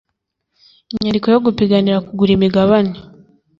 inyandiko yo gupiganira kugura imigabane